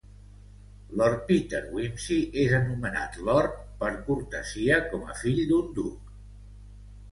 Lord Peter Wimsey és anomenat "Lord" per cortesia com a fill d'un duc.